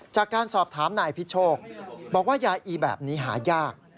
จากการสอบถามนายพิโชคบอกว่ายาอีแบบนี้หายาก